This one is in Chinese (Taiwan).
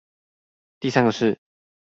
第三個是